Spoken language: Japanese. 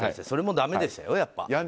それもだめでしたよ、やっぱり。